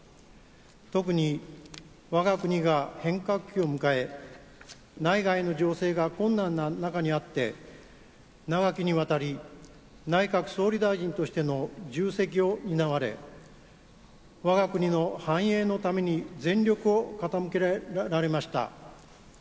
特に、我が国が変革期を迎え内外の情勢が困難な中にあって長きにわたり内閣総理大臣としての重責を担われ我が国の繁栄のために全力を傾けられました。